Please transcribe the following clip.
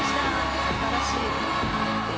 素晴らしい。